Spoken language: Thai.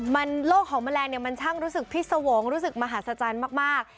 มันโลกของแมลงเนี่ยมันช่างรู้สึกพิษวงศ์รู้สึกมหาศจรรย์มาก